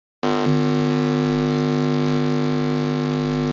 মন্দিরটি পূর্ব মুখী এবং এর কাছেই একটি রাম মন্দির অবস্থিত।